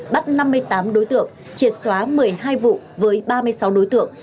bắt năm mươi tám đối tượng triệt xóa một mươi hai vụ với ba mươi sáu đối tượng